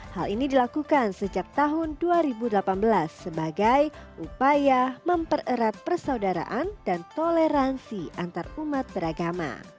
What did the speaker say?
hal ini dilakukan sejak tahun dua ribu delapan belas sebagai upaya mempererat persaudaraan dan toleransi antarumat beragama